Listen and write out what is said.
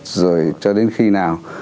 rồi cho đến khi nào